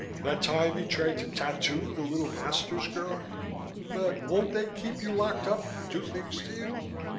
That time he tried to tattoo the little Masters girl But won't they keep you locked up and do things to you?"